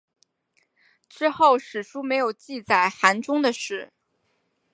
之后史书没有记载韩忠的事。